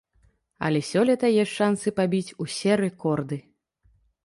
Але сёлета ёсць шанцы пабіць усе рэкорды.